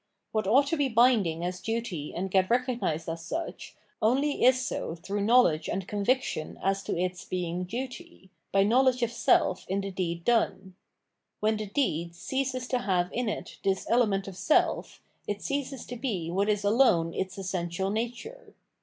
What ought to be binding as duty and get recognised as such, only is so through knowledge and conviction as to its being duty, by knowledge of seH in the deed done. AVhen the deed ceases to have in it this element of self, it ceases to be what is alone its essential nature.